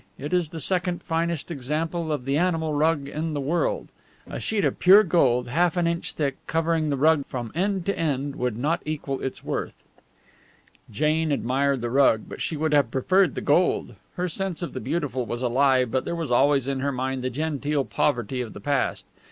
It is the second finest example of the animal rug in the world. A sheet of pure gold, half an inch thick, covering the rug from end to end, would not equal its worth." Jane admired the rug, but she would have preferred the gold. Her sense of the beautiful was alive, but there was always in her mind the genteel poverty of the past.